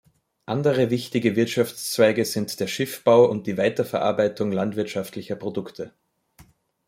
Andere wichtige Wirtschaftszweige sind der Schiffbau und die Weiterverarbeitung landwirtschaftlicher Produkte.